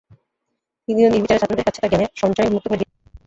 তিনিও নির্বিচারে ছাত্রদের কাছে তাঁর জ্ঞানের সঞ্চয় উন্মুক্ত করে দিয়েছিলেন।